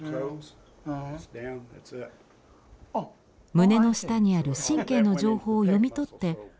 胸の下にある神経の情報を読み取って腕は動くといいます。